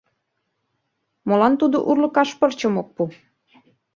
Молан тудо урлыкаш пырчым ок пу?